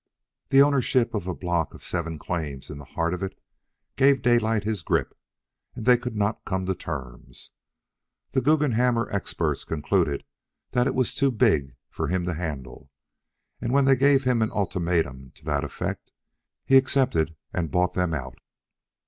The ownership of a block of seven claims in the heart of it gave Daylight his grip and they could not come to terms. The Guggenhammer experts concluded that it was too big for him to handle, and when they gave him an ultimatum to that effect he accepted and bought them out.